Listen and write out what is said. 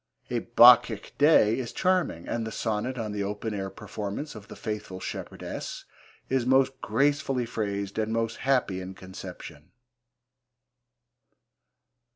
A Bacchic Day is charming, and the sonnet on the open air performance of The Faithfull Shepherdesse is most gracefully phrased and most happy in conception.